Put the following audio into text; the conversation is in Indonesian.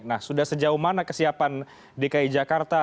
nah sudah sejauh mana kesiapan dki jakarta